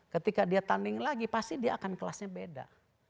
ketika dia tanding lagi pasti dia akan kelasnya beda